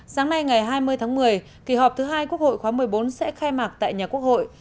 sáng nay ngày hai mươi tháng một mươi kỳ họp thứ hai quốc hội khóa một mươi bốn sẽ khai mạc tại nhà quốc hội